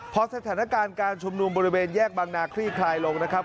พอสถานการณ์การชุมนุมบริเวณแยกบางนาคลี่คลายลงนะครับ